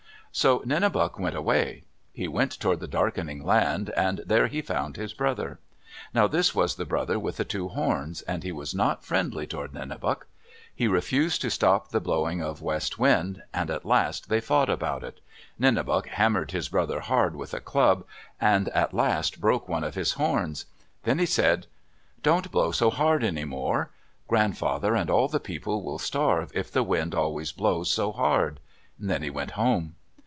So Nenebuc went away. He went toward the Darkening Land, and there he found his brother. Now this was the brother with the two horns, and he was not friendly toward Nenebuc. He refused to stop the blowing of West Wind, and at last they fought about it. Nenebuc hammered his brother hard with a club and at last broke one of his horns. Then he said, "Don't blow so hard any more. Grandfather and all the people will starve if the wind always blows so hard." Then he went home.